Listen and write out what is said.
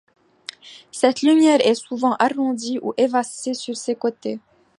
Cette lumière est souvent arrondie ou évasée sur ses côtés.